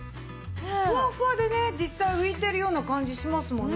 ふわふわでね実際浮いてるような感じしますもんね。